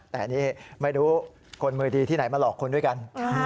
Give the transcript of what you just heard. แต่นี่ไม่รู้คนมือดีที่ไหนมาหลอกคนด้วยกัน